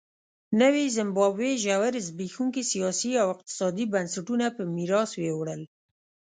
نوې زیمبابوې ژور زبېښونکي سیاسي او اقتصادي بنسټونه په میراث یووړل.